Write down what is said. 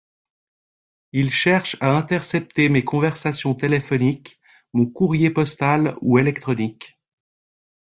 Ils cherchent à intercepter mes conversations téléphoniques, mon courrier postal ou électronique.